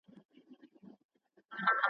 زه لکه چي ژونده ډېر کلونه پوروړی یم ,